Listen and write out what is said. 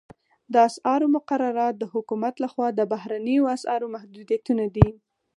د اسعارو مقررات د حکومت لخوا د بهرنیو اسعارو محدودیتونه دي